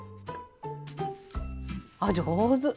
あっ上手。